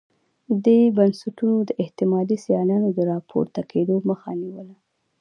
دې بنسټونو د احتمالي سیالانو د راپورته کېدو مخه نیوله.